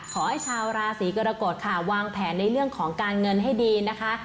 ชาวราศีกรกฎค่ะวางแผนในเรื่องของการเงินให้ดีนะคะ